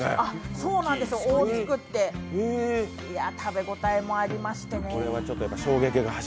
そうなんです、大きくて、食べ応えもありましてね。